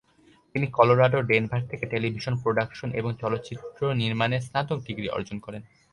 তিনি কলোরাডোর ডেনভার থেকে টেলিভিশন প্রোডাকশন এবং চলচ্চিত্র নির্মাণে স্নাতক ডিগ্রি অর্জন করেন।